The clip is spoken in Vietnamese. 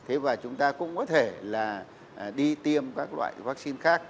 thế và chúng ta cũng có thể là đi tiêm các loại vaccine khác